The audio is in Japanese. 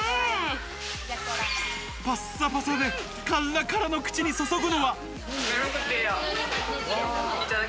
パッサパサでカラッカラの口に注ぐのは。